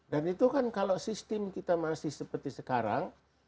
dan itu kan kalau sistem kita masih seperti sekarang